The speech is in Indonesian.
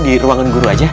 di ruangan guru aja